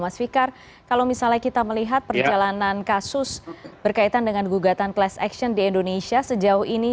mas fikar kalau misalnya kita melihat perjalanan kasus berkaitan dengan gugatan class action di indonesia sejauh ini